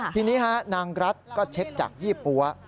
ทีนี้นางรัฐก็เช็คจากยี่ปั๊ว